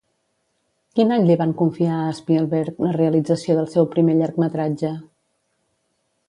Quin any li van confiar a Spielberg la realització del seu primer llargmetratge?